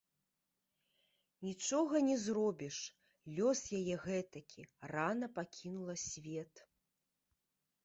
Нічога не зробіш, лёс яе гэтакі, рана пакінула свет.